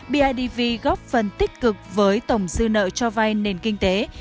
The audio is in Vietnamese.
bidv góp phần tích cực với tổng dư nợ cho vai nền kinh tế